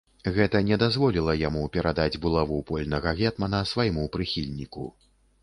Гэта не дазволіла яму перадаць булаву польнага гетмана свайму прыхільніку.